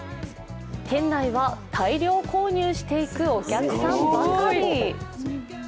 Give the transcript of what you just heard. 店内は大量購入していくお客さんばかり。